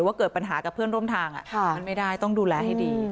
ว่าเกิดปัญหากับเพื่อนร่วมทางมันไม่ได้ต้องดูแลให้ดี